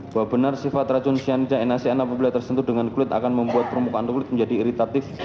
bahwa benar sifat racun syanika enasya anak populer tersentuh dengan kulit akan membuat permukaan kulit menjadi iritatif